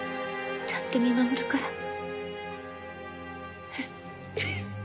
ちゃんと見守るから。